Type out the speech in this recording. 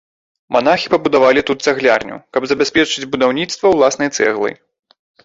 Манахі пабудавалі тут цаглярню, каб забяспечыць будаўніцтва ўласнай цэглай.